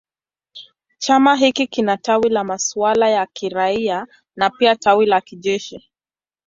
Chama hiki kina tawi la masuala ya kiraia na pia tawi la kijeshi.